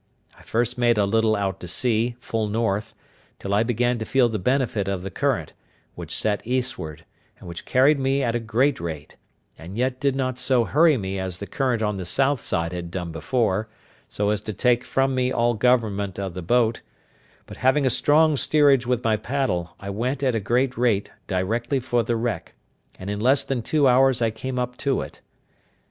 I first made a little out to sea, full north, till I began to feel the benefit of the current, which set eastward, and which carried me at a great rate; and yet did not so hurry me as the current on the south side had done before, so as to take from me all government of the boat; but having a strong steerage with my paddle, I went at a great rate directly for the wreck, and in less than two hours I came up to it.